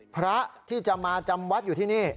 พระที่จะมาจำวัดอยู่ที่นี่